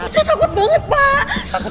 saya takut banget pak